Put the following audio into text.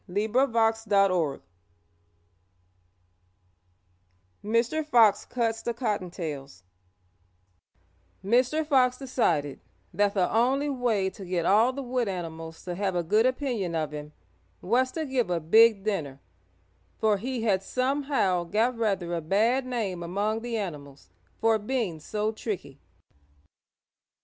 MR. FOX CUTS THE COTTONTAILS [Illustration: Mr. Fox cuts the Cottontails] Mr. Fox decided that the only way to get all the wood animals to have a good opinion of him was to give a big dinner, for he had somehow got rather a bad name among the animals for being so tricky.